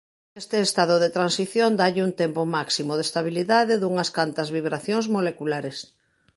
Este estado de transición dálle un tempo máximo de estabilidade dunhas cantas vibracións moleculares.